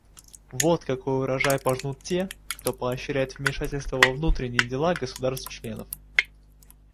Вот какой урожай пожнут те, кто поощряет вмешательство во внутренние дела государств-членов.